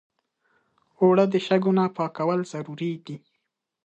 اوړه د شګو نه پاکول ضروري دي